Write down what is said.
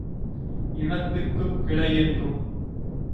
இனத்திற்குக் கிளையென்றும்